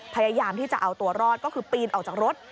พยายามที่จะเอาตัวรอดก็คือปีนออกจากรถ